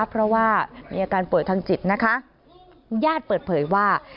เพราะว่ามีอาการป่วยทางจิตนะคะญาติเปิดเผยว่า